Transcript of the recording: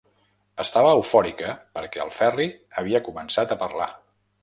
Estava eufòrica perquè el Ferri havia començat a parlar.